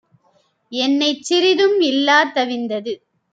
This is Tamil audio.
எண்ணெய் சிறிதும் இல்லா தவிந்தது.